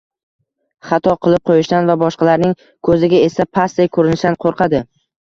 Xato qilib qo‘yishdan va boshqalarning ko‘ziga esi pastdek ko‘rinishdan qo‘rqadi.